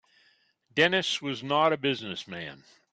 Dennis was not a business man.